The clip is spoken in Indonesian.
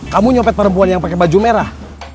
kamu nyopet perempuan yang pakai baju merah